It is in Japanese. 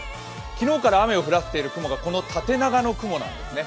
昨日から雨を降らしている雲がこの縦長の雲なんですね。